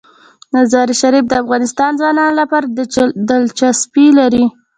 مزارشریف د افغان ځوانانو لپاره دلچسپي لري.